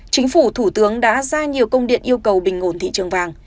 chính phủ thủ tướng đã ra nhiều công điện yêu cầu bình ngồn thị trường vàng